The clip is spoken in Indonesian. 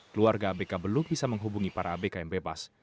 keluarga abk belum bisa menghubungi para abk yang bebas